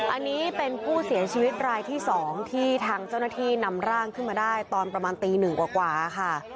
อันนี้เป็นผู้เสียชีวิตรายที่๒ที่ทางเจ้าหน้าที่นำร่างขึ้นมาได้ตอนประมาณตีหนึ่งกว่าค่ะ